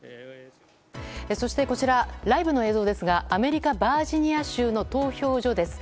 そして、こちらライブの映像ですがアメリカ・バージニア州の投票所です。